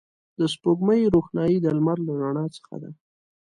د سپوږمۍ روښنایي د لمر له رڼا څخه ده